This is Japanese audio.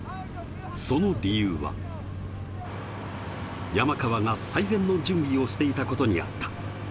その理由は、山川が最善の準備をしていたことにあった。